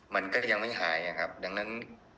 มันก็ยังไม่หายครับดังนั้น